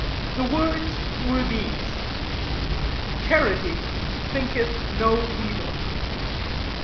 The words were these: "Charity thinketh no evil."